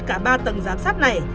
cả ba tầng giám sát này